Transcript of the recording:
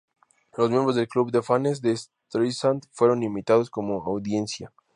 Los miembros del club de fanes de Streisand fueron invitados como audiencia.